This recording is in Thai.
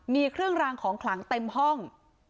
มีเครื่องรางของขลังเต็มห้อง